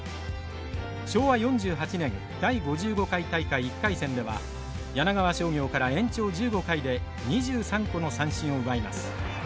昭和４８年第５５回大会１回戦では柳川商業から延長１５回で２３個の三振を奪います。